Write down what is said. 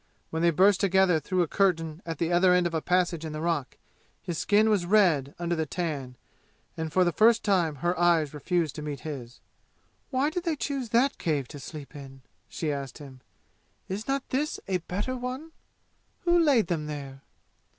When they burst together through a curtain at the other end of a passage in the rock, his skin was red under the tan and for the first time her eyes refused to meet his. "Why did they choose that cave to sleep in?" she asked him. "Is not this a better one? Who laid them there?"